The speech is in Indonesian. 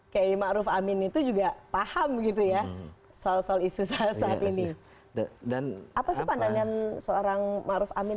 kayak ruf amin itu juga paham gitu ya sosok isu saat ini dan apa sih pandangan seorang maruf amin